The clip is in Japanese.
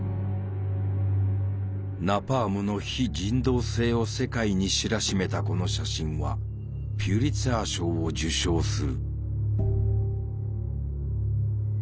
ナパームの非人道性を世界に知らしめたこの写真はピュリッツァー賞を受賞する。